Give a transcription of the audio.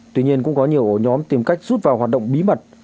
tuy nhiên cũng có nhiều ổ nhóm tìm cách rút vào hoạt động bí mật